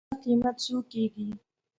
زما قېمت څو کېږي.